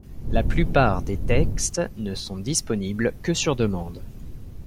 La plupart des textes ne sont disponibles que sur demande.